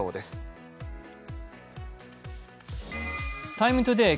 「ＴＩＭＥ，ＴＯＤＡＹ」